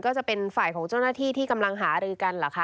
ก็จะเป็นฝ่ายของเจ้าหน้าที่ที่กำลังหารือกันเหรอคะ